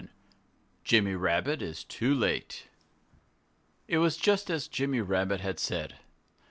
XI Jimmy Rabbit is too Late It was just as Jimmy Rabbit had said.